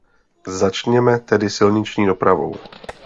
Začněme tedy silniční dopravou.